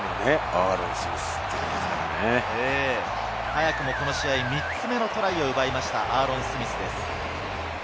早くも、この試合、３つ目のトライを奪いました、アーロン・スミスです。